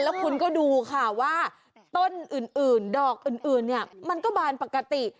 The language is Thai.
แล้วคุณก็ดูค่ะว่าต้นอื่นดอกอื่นเนี่ยมันก็บานปกติ